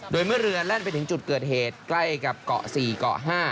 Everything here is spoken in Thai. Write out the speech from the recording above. โดยเมื่อเรือแล่นไปถึงจุดเกิดเหตุใกล้กับเกาะ๔เกาะ๕